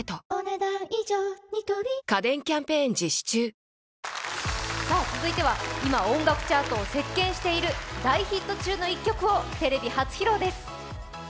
新「ＥＬＩＸＩＲ」さあ続いては今音楽チャートを席巻している大ヒット中の１曲をテレビ初披露です。